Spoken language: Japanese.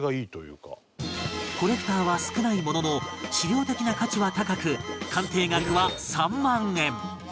コレクターは少ないものの史料的な価値は高く鑑定額は